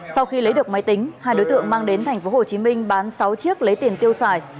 sau khi lấy được máy tính hai đối tượng mang đến tp hcm bán sáu chiếc lấy tiền tiêu xài